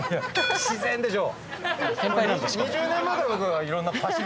自然でしょ。